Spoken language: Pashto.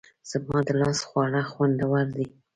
زما د لاس خواړه خوندور دي